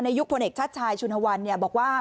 ในยุคพลเนกชัดชายชุนฮวันเนี่ยบอกว่า